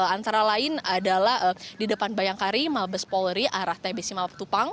antara lain adalah di depan bayangkari malbes polri arah tbs simatupang